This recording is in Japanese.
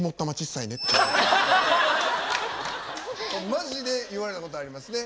マジで言われたことありますね。